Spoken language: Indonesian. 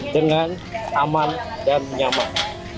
dengan aman dan nyaman